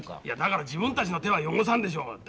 いやだから自分たちの手は汚さんでしょう。